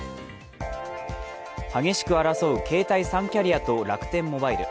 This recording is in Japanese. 激しく争う携帯３キャリアと楽天モバイル。